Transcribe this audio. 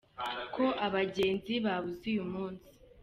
Ko abajyenzi babuze uyu munsi.